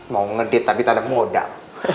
mau ngedate tapi tak ada modal